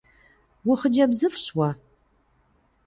УхъыджэбзыфӀщ уэ!